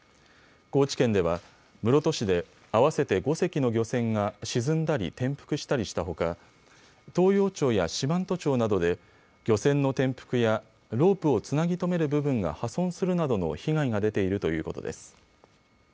高知県では室戸市で合わせて５隻の漁船が沈んだり転覆したりしたほか東洋町や四万十町などで漁船の転覆やロープをつなぎ止める部分が破損するなどの被害が出ているということです。